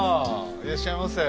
いらっしゃいませ。